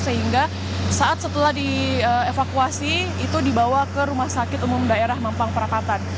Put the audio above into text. sehingga saat setelah dievakuasi itu dibawa ke rumah sakit umum daerah mampang perapatan